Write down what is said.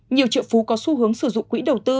nhiều triệu phú có xu hướng sử dụng quỹ đầu tư